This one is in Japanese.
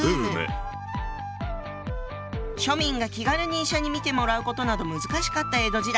庶民が気軽に医者に診てもらうことなど難しかった江戸時代。